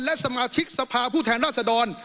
และสมาชิกสภาผู้แทนราชดร